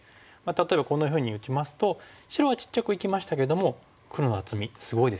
例えばこんなふうに打ちますと白はちっちゃく生きましたけども黒の厚みすごいですよね。